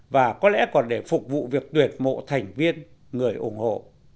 và có lẽ còn để phục vụ việc tuyệt mộ thành viên người ủng hộ